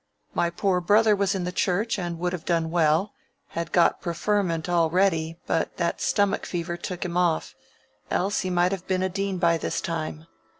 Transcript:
My poor brother was in the Church, and would have done well—had got preferment already, but that stomach fever took him off: else he might have been a dean by this time.